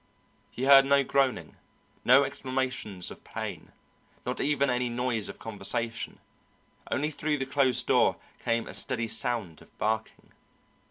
He heard no groaning, no exclamations of pain, not even any noise of conversation; only through the closed door came a steady sound of barking.